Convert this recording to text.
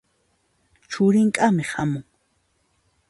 Churin k'amiq hamun.